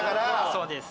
そうです。